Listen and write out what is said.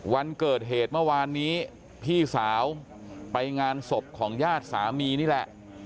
วันเกิดเหตุเมื่อวานนี้พี่สาวไปงานศพของญาติสามีนี่แหละ